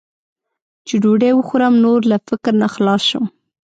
چې ډوډۍ وخورم، نور له فکر نه خلاص شم.